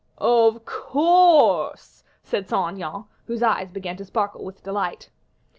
"Of course," said Saint Aignan, whose eyes began to sparkle with delight.